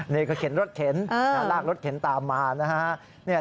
นี่ก็เข็นรถเข็นลากรถเข็นตามมานะฮะ